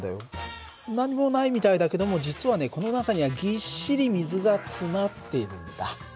何もないみたいだけども実はねこの中にはぎっしり水が詰まってるんだ。